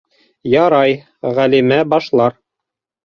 Ярай, Ғәлимә башлар.